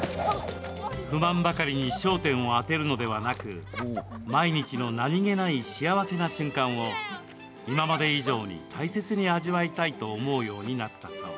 不満ばかりに焦点を当てるのではなく毎日の何気ない幸せな瞬間を今まで以上に大切に味わいたいと思うようになったそう。